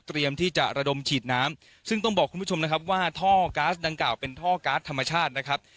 ที่จะระดมฉีดน้ำซึ่งต้องบอกคุณผู้ชมนะครับว่าท่อก๊าซดังกล่าวเป็นท่อก๊าซธรรมชาตินะครับ